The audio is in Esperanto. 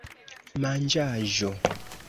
manĝaĵo